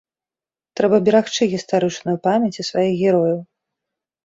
Трэба берагчы гістарычную памяць і сваіх герояў.